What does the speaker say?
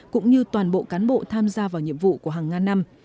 cũng như toàn bộ cán bộ tham gia vào nhiệm vụ của hàng ngàn năm